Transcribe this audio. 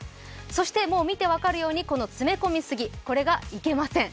そしてもう見て分かるように、詰め込みすぎ、これがいけません。